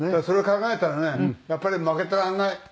それを考えたらねやっぱり負けていられない。